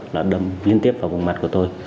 là đấm liên tiếp vào vùng mặt của tôi